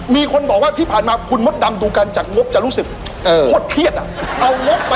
มีคนบอกว่าที่ผ่านมาคุณมดดำดูการจัดงบจะรู้สึกโคตรเครียดเอางบไป